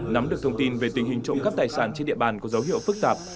nắm được thông tin về tình hình trộm cắp tài sản trên địa bàn có dấu hiệu phức tạp